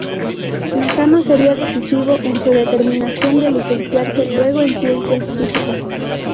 Lozano sería decisivo en su determinación de licenciarse luego en Ciencias Físicas.